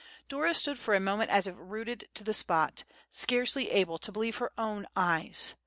Dora stood for a moment as if rooted to the spot, scarcely able to believe her own eyes.